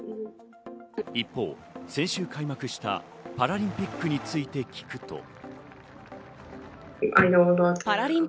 一方、先週開幕したパラリンピックについて聞くと。